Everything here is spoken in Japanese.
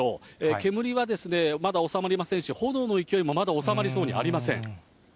煙はまだ収まりませんし、炎の勢いもまだ収まりそうにありません。